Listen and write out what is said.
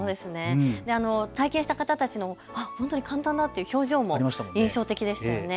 体験した方たちの本当に簡単だっていう表情も印象的でしたよね。